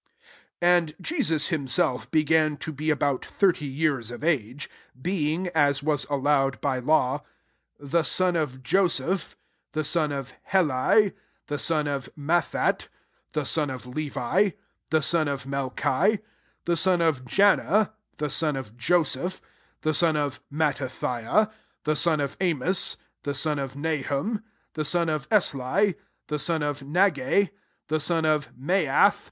23 And Jesus himself began to be about thirty years of age ; being (as was allowed by law) the son of Joseph,* the son of Heli, 24 the son of Matthat, t^e 9on of Levi, the son of Melchi, the son of Janna, the son of Joseph, 25 the son of Mattathiah, the son of Amos, the son of Nahura, the son of Esli, the son of Nagg^, 26 the son of Maath, LUKE IV.